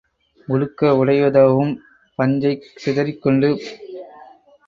உடுக்க உடையுதவும் பஞ்சைக் சிதறிக் கொண்டு பருத்திச் செடி வளர்கிறது, காய்க்கிறது, வெடிக்கிறது.